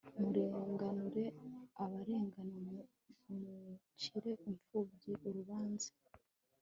murenganure abarengana, mucire impfubyi urubanza